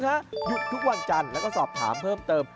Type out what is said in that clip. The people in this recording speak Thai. หยุดทุกวันจันทร์แล้วก็สอบถามเพิ่มเติม